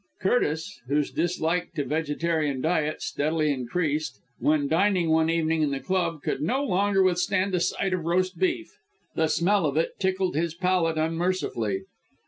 Curtis, whose dislike to vegetarian diet steadily increased, when dining one evening at his club, could no longer withstand the sight of roast beef. The smell of it tickled his palate unmercifully.